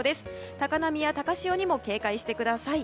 高波や高潮にも警戒してください。